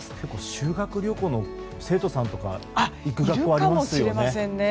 修学旅行の生徒さんとか行く学校、ありますよね。